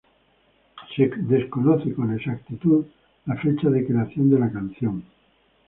Se desconoce con exactitud la fecha de creación de la canción.